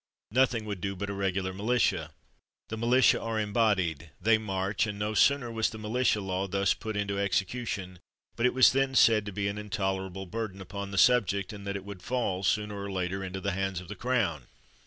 Nothing would do but a regular militia. The militia are embodied; they march; and no sooner was the militia law thus put into execution but it was then said to be an intolera ble burden upon the subject, and that it would fall, sooner or later, into the hands of the Crown.